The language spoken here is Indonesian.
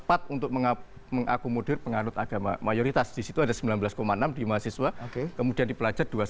dapat untuk mengakomodir penganut agama mayoritas disitu ada sembilan belas enam di mahasiswa kemudian di pelajar dua puluh sembilan